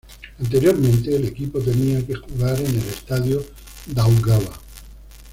Anteriormente el equipo tenía que jugar en el Estadio Daugava.